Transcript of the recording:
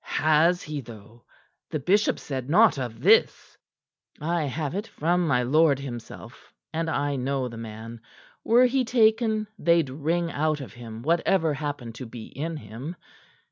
"Has he though? The bishop said naught of this." "I have it from my lord himself and I know the man. Were he taken they'd wring out of him whatever happened to be in him.